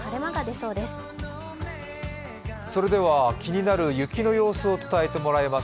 それでは気になる雪の様子を伝えてもらいます。